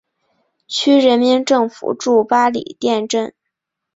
区人民政府驻八里店镇。